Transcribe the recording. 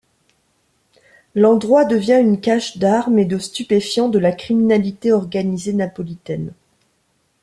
L'endroit devient une cache d'armes et de stupéfiants de la criminalité organisée napolitaine.